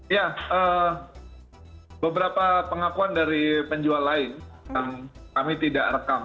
ya beberapa pengakuan dari penjual lain yang kami tidak rekam